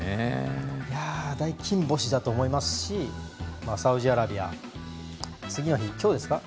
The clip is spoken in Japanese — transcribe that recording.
大金星だと思いますしサウジアラビア次は今日ですかね。